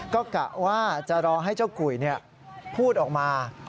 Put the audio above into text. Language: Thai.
ก็กะว่าจะรอให้เจ้ากุยพูดออกมา